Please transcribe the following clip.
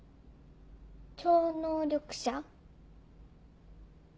超能力者？